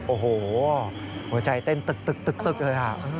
โอ้โหหัวใจเต้นตึกเลย